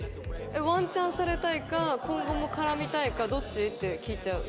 「ワンチャンされたいか今後も絡みたいかどっち？」って聞いちゃう。